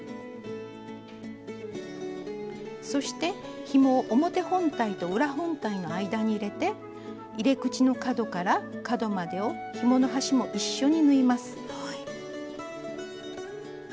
そしてひもを表本体と裏本体の間に入れて入れ口の角から角までをひもの端も一緒に縫います。